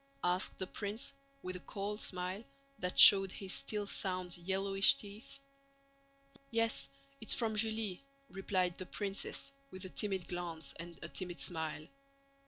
asked the prince with a cold smile that showed his still sound, yellowish teeth. "Yes, it's from Julie," replied the princess with a timid glance and a timid smile.